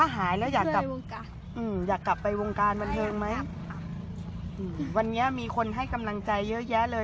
หายแล้วอยากกลับอืมอยากกลับไปวงการบันเทิงไหมวันนี้มีคนให้กำลังใจเยอะแยะเลย